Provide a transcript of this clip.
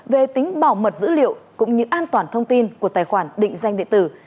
về tính bảo mật dữ liệu cũng như an toàn thông tin của tài khoản định danh điện tử